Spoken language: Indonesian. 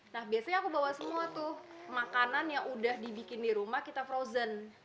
nah biasanya aku bawa semua tuh makanan yang udah dibikin di rumah kita frozen